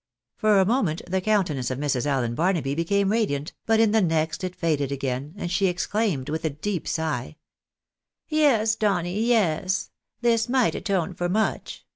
For a moment the countenance of Mrs. Allen Bar naby became radiant, but in the next it faded again, and she exclaimed, with a deep sigh —" Yes, Donny, yes ! This might atone for much